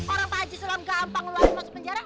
orang pak haji sulam gampang ngeluarin masuk ke penjara